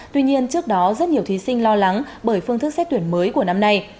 tuy nhiên trước đó rất nhiều thí sinh lo lắng bởi phương thức xét tuyển mới của năm nay